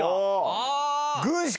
ああ！